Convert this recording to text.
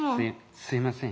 すすいません」。